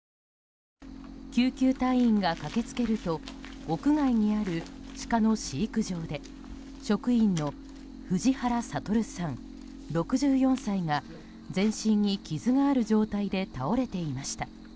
救急隊員が駆け付けると屋外にあるシカの飼育場で職員の藤原悟さん、６４歳が全身に傷がある状態で倒れていました。